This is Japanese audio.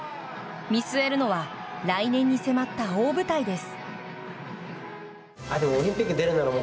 見据えるのは来年に迫った大舞台です。